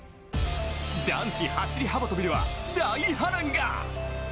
男子走幅跳では大波乱が。